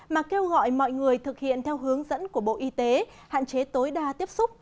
mà kêu gọi mọi người thực hiện theo hướng dẫn của bộ y tế hạn chế tối đa tiếp xúc